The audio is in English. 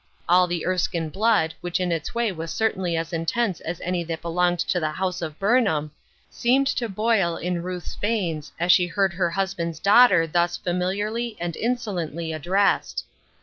All the Erskine blood, which in its way was certainly as intense as any that belonged to the house of Burnham, seemed to boil in Ruth's veins as she heard her husband's daughter thus familiarly and insolently addressed.